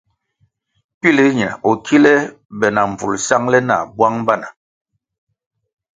Pil riñe o kile be na mbvulʼ sangʼle nah bwang bana.